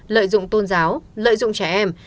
lợi dụng tôn giáo lợi dụng trẻ em